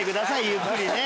ゆっくりね。